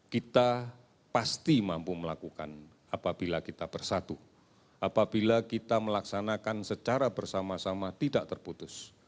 kita pasti mampu melakukan apabila kita bersatu apabila kita melaksanakan secara bersama sama tidak terputus